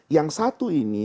yang satu ini